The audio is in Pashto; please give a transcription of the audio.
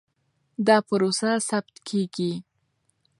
دا پروسه ثبت کېږي.